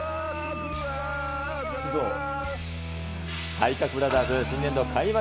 体格ブラザーズ新年度開幕